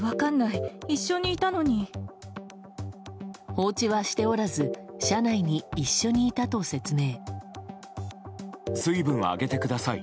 放置はしておらず車内に一緒にいたと説明。